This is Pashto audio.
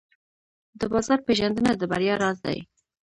د بازار پېژندنه د بریا راز دی.